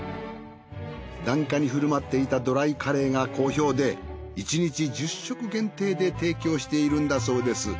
檀家に振る舞っていたドライカレーが好評で１日１０食限定で提供しているんだそうです。